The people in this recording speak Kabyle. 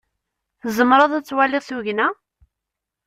Tzemreḍ ad twaliḍ tugna?